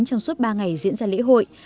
trong suốt ba ngày diễn ra lễ hội